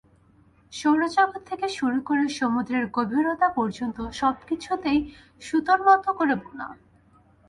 সৌরজগৎ থেকে শুরু করে সমুদ্রের গভীরতা পর্যন্ত, সবকিছুই সুতোর মতো করে বোনা!